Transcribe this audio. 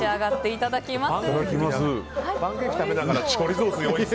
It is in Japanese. いただきます。